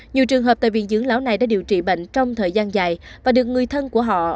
nhiều trường hợp tại viện dưỡng lão này đã điều trị bệnh trong thời gian dài và được người thân của họ